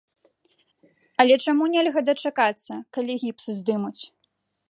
Але чаму нельга дачакацца, калі гіпс здымуць?